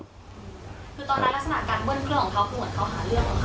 คือตอนนั้นลักษณะการเบิ้ลเครื่องของเขาคือเหมือนเขาหาเรื่องอะค่ะ